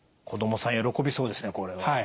子どもさん喜びそうですねこれは。